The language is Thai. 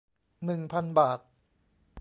หนึ่งพัน บาท